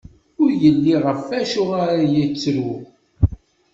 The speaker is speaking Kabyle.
Ur yelli ɣef wacu ara yettru.